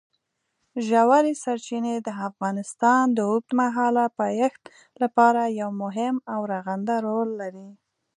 ژورې سرچینې د افغانستان د اوږدمهاله پایښت لپاره یو مهم او رغنده رول لري.